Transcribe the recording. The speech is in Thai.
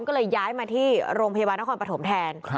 ก็เลยย้ายมาที่โรงพยาบาลนครปฐมแทน